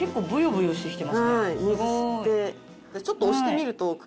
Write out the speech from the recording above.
ちょっと押してみると。